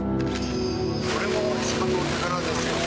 これも島の宝ですよ。